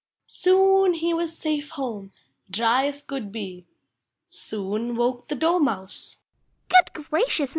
Soon he was safe home, 1 >rv us could be. Soon woke the Dormouse —" Good gnu ions me